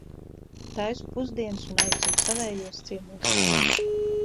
Taisu pusdienas un aicinu savējos ciemos.